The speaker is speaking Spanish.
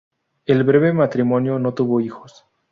El breve matrimonio no tuvo hijos.